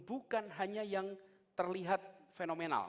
bukan hanya yang terlihat fenomenal